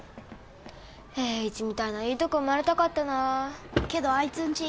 栄一みたいないいとこ生まれたかったなけどアイツんち